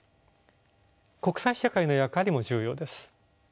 国際社会の役割も重要です。